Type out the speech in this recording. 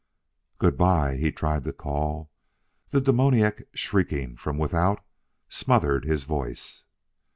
"Good by!" He has tried to call; the demoniac shrieking from without smothered his voice.